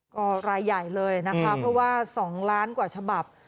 ก็รายใหญ่เลยนะคะเพราะว่า๒ล้านกว่าฉบับ